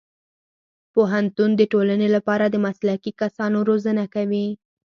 پوهنتون د ټولنې لپاره د مسلکي کسانو روزنه کوي.